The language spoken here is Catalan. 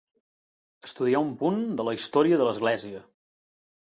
Estudiar un punt de la història de l'Església.